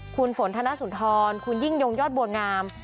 คุณฝนธนสุนทรคุณยิ่งยงยอดบัวงาม